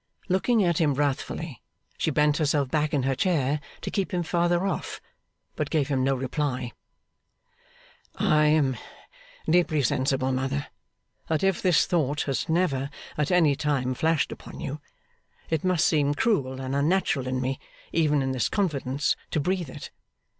Looking at him wrathfully, she bent herself back in her chair to keep him further off, but gave him no reply. 'I am deeply sensible, mother, that if this thought has never at any time flashed upon you, it must seem cruel and unnatural in me, even in this confidence, to breathe it.